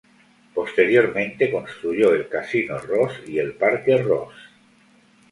Posteriormente construyó el Casino Ross y el Parque Ross.